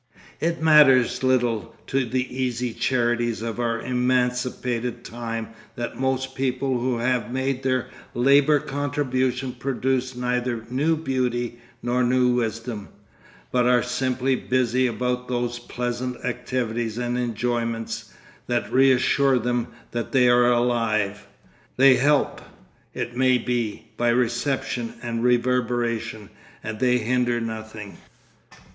It matters little to the easy charities of our emancipated time that most people who have made their labour contribution produce neither new beauty nor new wisdom, but are simply busy about those pleasant activities and enjoyments that reassure them that they are alive. They help, it may be, by reception and reverberation, and they hinder nothing.